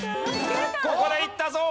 ここでいったぞ！